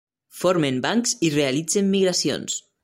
Formen bancs i realitzen migracions.